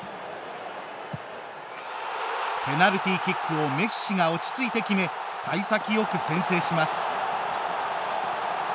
ペナルティーキックをメッシが落ち着いて決めさい先よく先制します。